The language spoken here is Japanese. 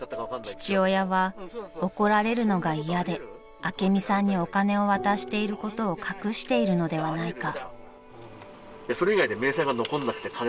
［父親は怒られるのが嫌で朱美さんにお金を渡していることを隠しているのではないか］